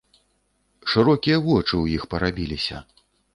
Шырокія вочы ў іх парабіліся.